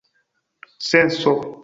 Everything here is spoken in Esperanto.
senso